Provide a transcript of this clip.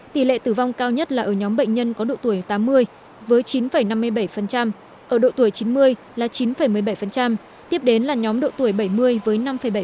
tỷ lệ tử vong cao nhất là ở nhóm bệnh nhân có độ tuổi tám mươi với chín năm mươi bảy ở độ tuổi chín mươi là chín một mươi bảy tiếp đến là nhóm độ tuổi bảy mươi với năm bảy